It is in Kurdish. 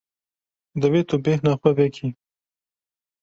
Divê tu bêhna xwe vekî.